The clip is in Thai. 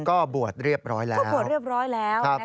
ก็บวชเรียบร้อยแล้ว